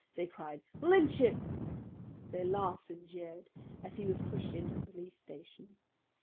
they cried. "Lynch him!" They laughed and jeered as he was pushed into the police station.